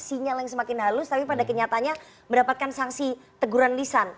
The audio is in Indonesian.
sinyal yang semakin halus tapi pada kenyataannya mendapatkan sanksi teguran lisan